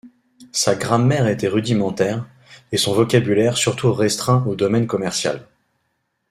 Sa grammaire était rudimentaire, et son vocabulaire surtout restreint au domaine commercial.